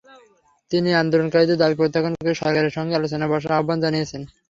তিনি আন্দোলনকারীদের দাবি প্রত্যাখ্যান করে সরকারের সঙ্গে আলোচনায় বসার আহ্বান জানিয়েছেন।